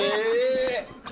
え！